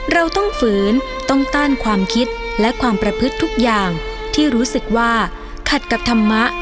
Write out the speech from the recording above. เราต้องฝืนต้องต้านความคิดและความประพฤติทุกอย่างที่รู้สึกว่าขัดกับธรรมะ